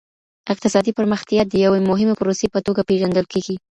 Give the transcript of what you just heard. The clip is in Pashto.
اقتصادي پرمختيا د يوې مهمې پروسې په توګه پېژندل کېږي.